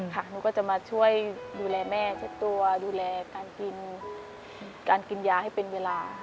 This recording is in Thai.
หนูก็จะมาช่วยดูแลแม่เช็ดตัวดูแลการกินการกินยาให้เป็นเวลา